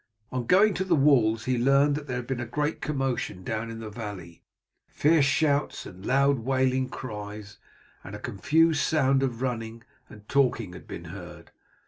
On going to the walls he learned that there had been a great commotion down in the valley. Fierce shouts, loud wailing cries, and a confused sound of running and talking had been heard.